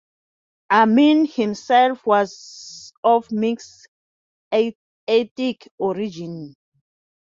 Amin himself was of mixed ethnic origin.